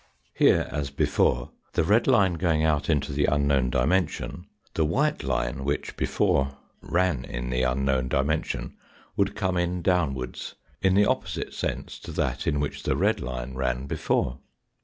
Here, as before, the red line going out into the un known dimension, the white line which before ran in the Fig. 83. NOMENCLATURE ANt> ANALOGIES 145 unknown dimension would come in downwards in the opposite sense to that in which the red line ran before.